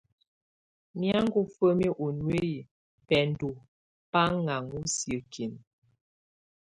Mí aŋó femie ɔ nuiyi, bɛndo ba ŋaŋo siekin.